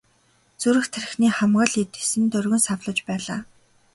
Зүрх тархины хамаг л эд эс нь доргин савлаж байлаа.